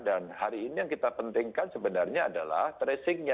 dan hari ini yang kita pentingkan sebenarnya adalah tracingnya